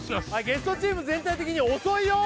ゲストチーム全体的に遅いよ